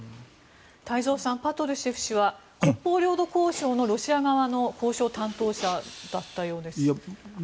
太蔵さんパトルシェフ氏は北方領土交渉のロシア側の交渉担当者だったようです。